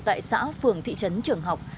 tại xã phường thị trấn trường học